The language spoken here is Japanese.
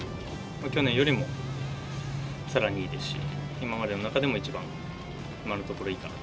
去年よりもさらにいいですし、今までの中でも一番、今のところいいかなと。